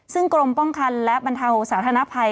ซึ่งกรมป้องกันและบรรเทาสาธารณภัย